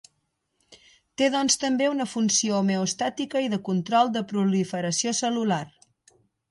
Té doncs també una funció homeostàtica i de control de proliferació cel·lular.